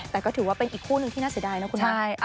แต่ก็ถือว่าเป็นอีกคู่หนึ่งที่น่าเสียดายนะคุณนะ